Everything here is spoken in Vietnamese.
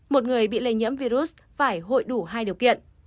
một người bị lây nhiễm virus phải hội đủ hai điều kiện